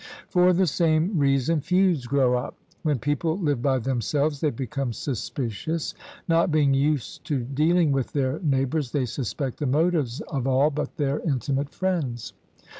For the same reason feuds grow up. When people live by themselves they become suspicious. Not being used to dealing with their neighbors, they suspect the motives of all but their intimate friends.